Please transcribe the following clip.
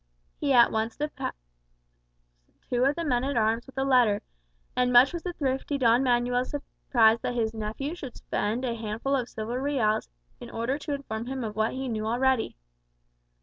He at once dispatched two of the men at arms with the letter; and much was the thrifty Don Manuel surprised that his nephew should spend a handful of silver reals in order to inform him of what he knew already.